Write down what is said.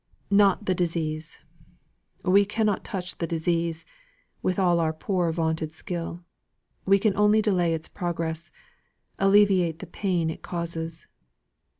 "Not the disease. We cannot touch the disease, with all our poor vaunted skill. We can only delay its progress alleviate the pain it causes.